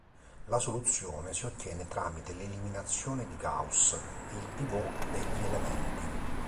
La soluzione si ottiene tramite l'eliminazione di Gauss e il pivot degli elementi.